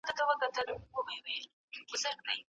څه شی د برېښنا د پرچاوۍ ستونزه د تل لپاره حل کولای سي؟